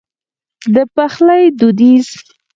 د پخلي دوديز